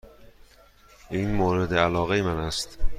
این مورد علاقه من است.